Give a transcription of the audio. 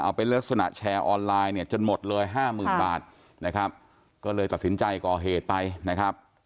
เอาเป็นลักษณะแชร์ออนไลน์เนี่ยจนหมดเลยห้าหมื่นบาทนะครับก็เลยตัดสินใจก่อเหตุไปนะครับ